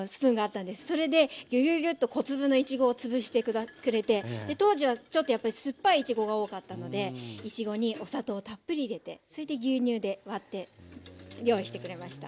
それでギュギュギュッと小粒のいちごをつぶしてくれて当時はちょっとやっぱり酸っぱいいちごが多かったのでいちごにお砂糖たっぷり入れてそれで牛乳で割って用意してくれました。